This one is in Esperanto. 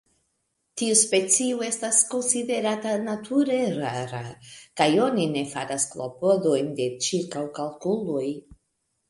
Tiu specio estas konsiderata nature rara, kaj oni ne faris klopodojn de ĉirkaŭkalkuloj.